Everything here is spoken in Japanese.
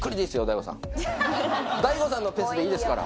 大悟さん大悟さんのペースでいいですから。